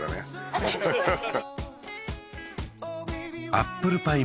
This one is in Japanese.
アップルパイ